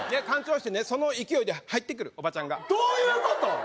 浣腸してねその勢いで入ってくるおばちゃんがどういうこと？